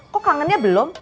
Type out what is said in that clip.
kok kangennya belum